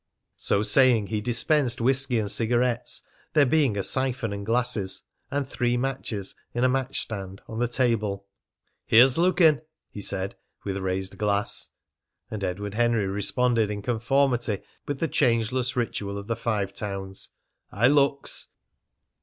So saying, he dispensed whisky and cigarettes, there being a siphon and glasses, and three matches in a match stand, on the table. "Here's looking!" he said, with raised glass. And Edward Henry responded, in conformity with the changeless ritual of the Five Towns: "I looks!"